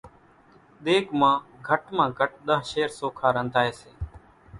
ۮيڳ مان گھٽ مان گھٽ ۮۿ شير سوکا رنڌائيَ سي۔